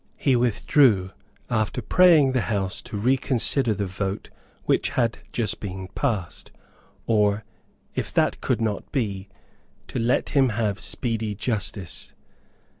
He withdrew, after praying the House to reconsider the vote which had just been passed, or, if that could not be, to let him have speedy justice.